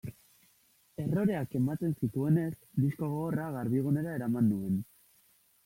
Erroreak ematen zituenez, disko gogorra Garbigunera eraman nuen.